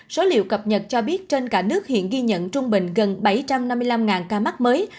số liệu cập nhật cho biết trên cả nước hiện ghi nhận trung bình gần bảy trăm năm mươi năm ca mắc mới